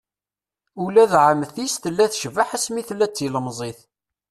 Ula d ɛemti-s tella tecbeḥ asmi tella d tilemẓit.